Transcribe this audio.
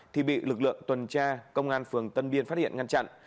thì bị lực lượng tuần tra công an phường tân biên phát hiện ngăn chặn